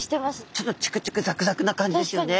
ちょっとチクチクザクザクな感じですよね。